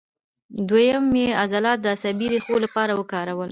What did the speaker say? دوهیم یې عضلات د عصبي ریښو لپاره وکارول.